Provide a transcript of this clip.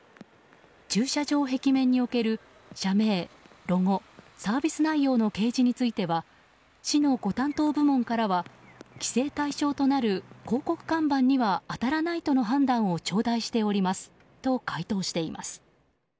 駐車場壁面における社名、ロゴサービス内容の掲示については市のご担当部門からは規制対象となる広告看板には当たらないとの判断をちょうだいしておりますと回答しています。